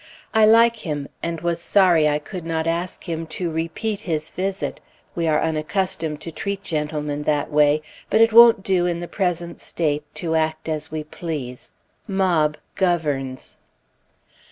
I like him, and was sorry I could not ask him to repeat his visit. We are unaccustomed to treat gentlemen that way; but it won't do in the present state to act as we please. Mob governs.